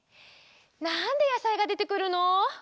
なんでやさいがでてくるの？